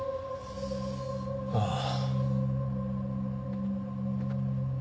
ああ。